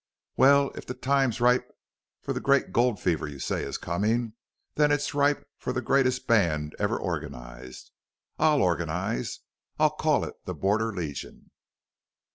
"Well, if the time's ripe for the great gold fever you say is coming, then it's ripe for the greatest band ever organized. I'll organize. I'll call it the Border Legion."